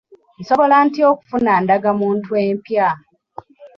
Nsobola ntya okufuna ndagamuntu empya?